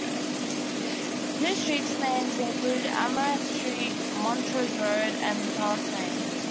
New street names include Amaranth Street, Montrose Road and Park Lane.